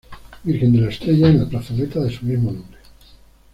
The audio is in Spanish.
Virgen de la Estrella, en la plazoleta de su mismo nombre.